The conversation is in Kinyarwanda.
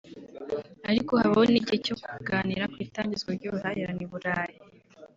ariko habaho n’igihe cyo kuganira ku itangizwa ry’ubuhahirane i Burayi